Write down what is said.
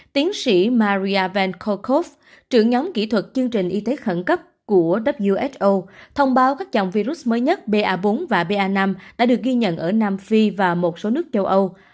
tiến sĩ mariavencokhov trưởng nhóm kỹ thuật chương trình y tế khẩn cấp của who thông báo các dòng virus mới nhất ba bốn và ba năm đã được ghi nhận ở nam phi và một số nước châu âu